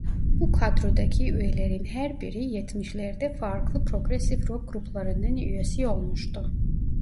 Bu kadrodaki üyelerin her biri yetmişlerde farklı progresif rock gruplarının üyesi olmuştu.